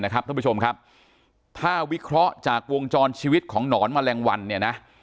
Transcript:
ท่านผู้ชมครับถ้าวิเคราะห์จากวงจรชีวิตของหนอนแมลงวันเนี่ยนะ